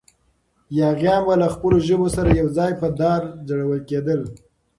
یاغیان به له خپلو ژبو سره یو ځای په دار ځړول کېدل.